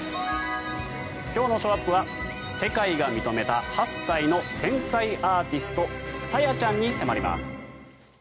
今日のショーアップは世界が認めた８歳の天才アーティストＳａｙａちゃんに迫ります。